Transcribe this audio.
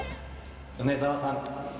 梅澤さん。